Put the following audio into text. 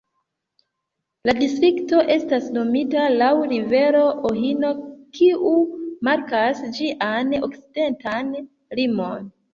La distrikto estas nomita laŭ rivero Ohio, kiu markas ĝian okcidentan limon.